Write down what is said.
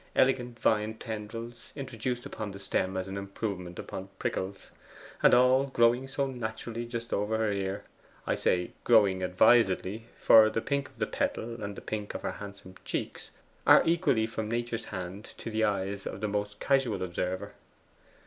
Elegant vine tendrils introduced upon the stem as an improvement upon prickles, and all growing so naturally just over her ear I say growing advisedly, for the pink of the petals and the pink of her handsome cheeks are equally from Nature's hand to the eyes of the most casual observer.